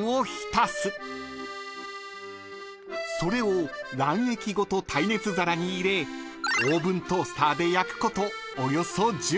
［それを卵液ごと耐熱皿に入れオーブントースターで焼くことおよそ１０分］